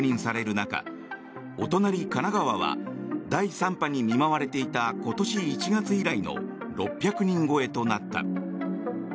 中お隣、神奈川は第３波に見舞われていた今年１月以来の６００人超えとなった。